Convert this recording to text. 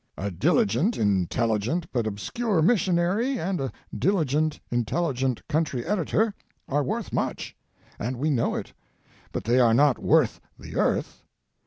A diligent, intelligent, but obscure missionary, and a diligent, intelligent country editor are worth much, and we know it; but they are not worth the earth.